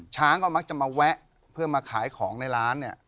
ช้างก็มักจะมาแวะเพื่อมาขายของในร้านเนี่ย